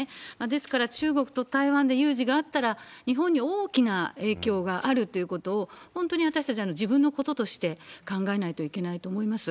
ですから、中国と台湾で有事があったら、日本に大きな影響があるということを、本当に私たちは自分のこととして考えないといけないと思います。